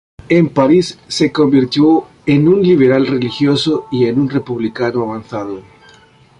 En París se convirtió en un liberal religioso y en un republicano avanzado.